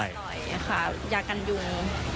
ใช่ค่ะยากันยุง